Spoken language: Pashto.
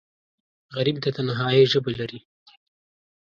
غریب د تنهایۍ ژبه لري